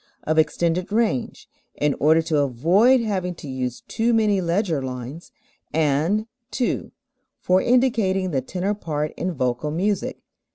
of extended range, in order to avoid having to use too many leger lines; and (2) for indicating the tenor part in vocal music.